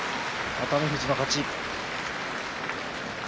熱海富士の勝ち。